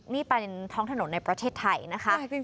นี่เป็นท้องถนนในประเทศไทยนะคะ